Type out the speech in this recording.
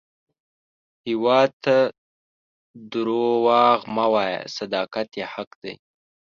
هیواد ته دروغ مه وایه، صداقت یې حق دی